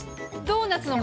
ドーナツ形。